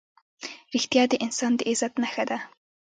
رښتیا د انسان د عزت نښه ده.